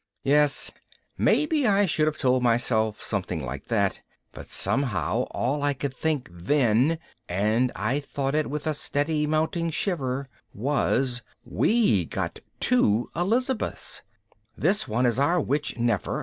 _ Yes, maybe I should have told myself something like that, but somehow all I could think then and I thought it with a steady mounting shiver was, _We got two Elizabeths. This one is our witch Nefer.